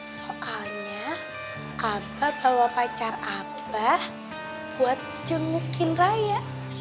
soalnya abah bawa pacar abah buat jengukin raya